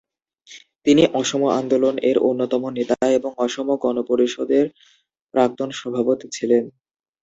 তিনি অসম আন্দোলন-এর অন্যতম নেতা ও অসম গণ পরিষদের প্রাক্তন সভাপতি ছিলেন।